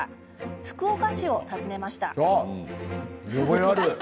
福岡市を訪ねました。